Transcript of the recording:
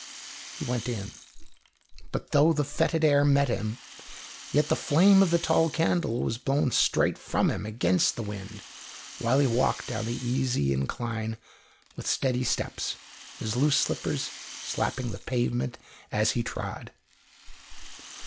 He went in, but though the fetid air met him, yet the flame of the tall candle was blown straight from him against the wind while he walked down the easy incline with steady steps, his loose slippers slapping the pavement as he trod.